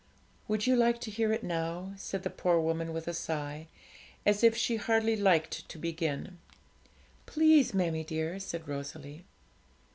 'Would you like to hear it now?' said the poor woman, with a sigh, as if she hardly liked to begin. 'Please, mammie dear,' said Rosalie.